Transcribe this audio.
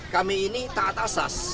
kami ini tak atas as